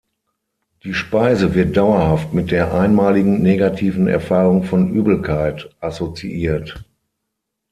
Die Speise wird dauerhaft mit der einmaligen negativen Erfahrung von Übelkeit assoziiert.